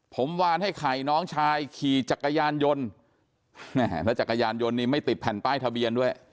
ผมวานให้ไข่น้องชายขี่จักรยานยนต์แม่แล้วจักรยานยนต์นี้ไม่ติดแผ่นป้ายทะเบียนด้วย